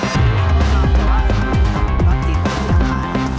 สวัสดีครับ